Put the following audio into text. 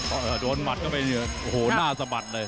โอ้โหโดนมัดเข้าไปโอ้โหหน้าสะบัดเลย